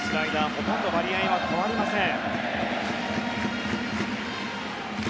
ほとんど割合は変わりません。